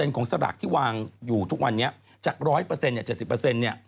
๗๐ของสลากที่วางอยู่ทุกวันนี้จาก๑๐๐จาก๗๐